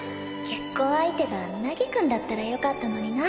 結婚相手が凪くんだったらよかったのにな。